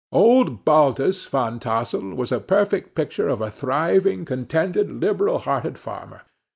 Old Baltus Van Tassel was a perfect picture of a thriving, contented, liberal hearted farmer.